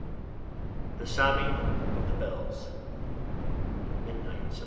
The Sobbing of the Bells [Midnight, Sept.